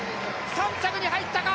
３着に入ったか！